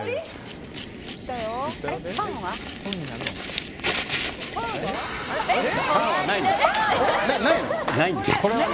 パーンは？ないんです。